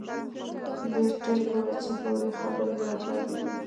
لیسټرډ وویل چې نورې خبرې لا پاتې دي.